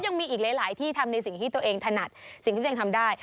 ยังมีอีกหลายที่ทำในสิ่งที่ตัวเองถนัดสิ่งที่ตัวเองทำได้